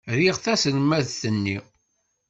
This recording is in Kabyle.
Riɣ taselmadt-nni.